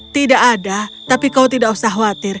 tidak ada tapi kau tidak usah khawatir